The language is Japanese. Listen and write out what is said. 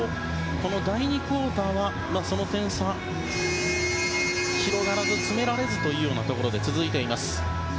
この第２クオーターはその点差、広がらず詰められずというところで続いています。